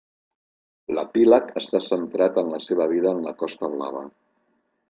L'Epíleg està centrat en la seva vida en la Costa Blava.